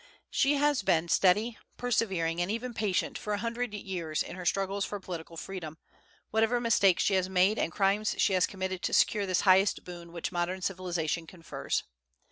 She has been steady, persevering, and even patient for a hundred years in her struggles for political freedom, whatever mistakes she has made and crimes she has committed to secure this highest boon which modern civilization confers.